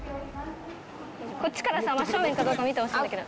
こっちからさ真正面かどうか見てほしいんだけど。